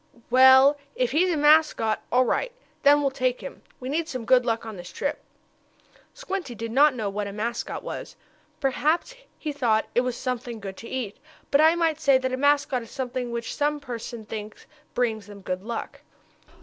"Well, if he's a mascot, all right. Then we'll take him. We need some good luck on this trip." Squinty did not know what a mascot was. Perhaps he thought it was something good to eat. But I might say that a mascot is something which some persons think brings them good luck.